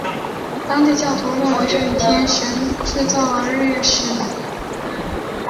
当地教徒认为这一天神制造了日月食。